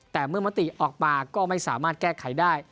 แต่เมื่อมติออกมาก็ไม่สามารถแก้ไขได้